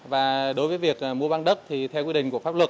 và đối với việc mua băng đất thì theo quy định của pháp luật